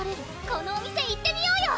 このお店行ってみようよ！